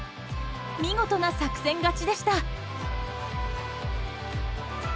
見事な作戦勝ちでした。